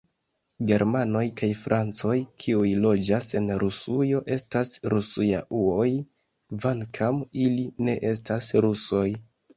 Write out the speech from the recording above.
Germanoj kaj francoj, kiuj loĝas en Rusujo, estas Rusujauoj, kvankam ili ne estas rusoj.